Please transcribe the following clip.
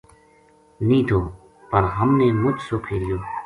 نیہہ تھو پر ہم نے مُچ سُکھ ہیریو